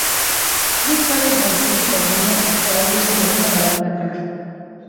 دې چارې بنسټي بدلونونه تقویه او وروسته زمینه برابره کړه